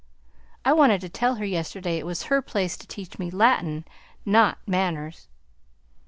I wanted to tell her yesterday it was her place to teach me Latin, not manners."